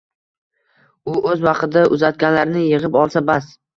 U oʻz vaqtida uzatganlarini yigʻib olsa, bas